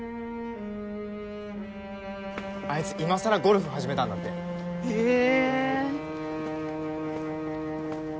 あいつ今さらゴルフ始めたんだってへえ